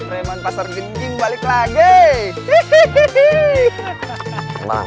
reman pasar gengging balik lagi